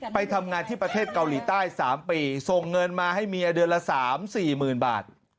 ไปทำงานที่ประเทศเกาหลีใต้๓ปีส่งเงินมาให้เมียเดือนละ๓๔๐๐๐บาท